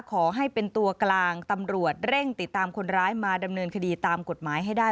ขอให้เป็นตัวกลางตำรวจเร่งติดตามคนร้ายมาดำเนินคดีตามกฎหมายให้ได้